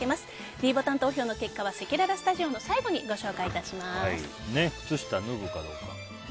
ｄボタン投票の結果はせきららスタジオの最後に靴下脱ぐかどうか。